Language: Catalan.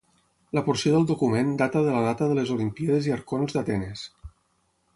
La porció del document data de la data de les Olimpíades i arconts d'Atenes.